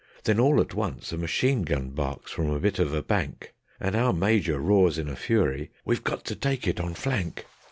Then all at once a machine gun barks from a bit of a bank, And our Major roars in a fury: "We've got to take it on flank."